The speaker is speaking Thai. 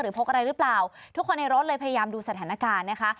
พกอะไรหรือเปล่าทุกคนในรถเลยพยายามดูสถานการณ์นะคะ